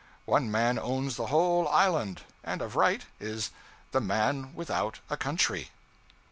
One man owns the whole island, and of right is 'the man without a country.'